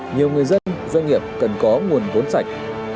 nhiều người dân doanh nghiệp cần có nguồn vốn sạch